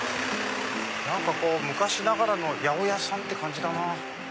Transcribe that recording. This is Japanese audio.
何かこう昔ながらの八百屋さんって感じだな。